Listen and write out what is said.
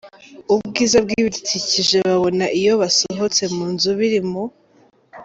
Ubwiza bw’ibidukikije babona iyo basohotse mu nzu biri mu